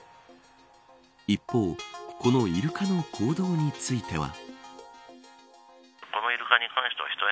一方このイルカの行動については。